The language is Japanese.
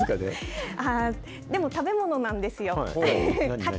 でも食べ物なんですよ。